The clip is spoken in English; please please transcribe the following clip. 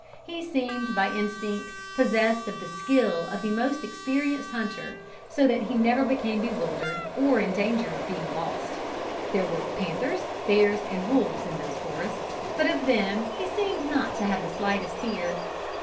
He seemed, by instinct, possessed of the skill of the most experienced hunter, so that he never became bewildered, or in danger of being lost. There were panthers, bears and wolves in those forests, but of them he seemed not to have the slightest fear.